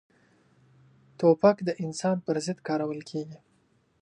توپک د انسان پر ضد کارول کېږي.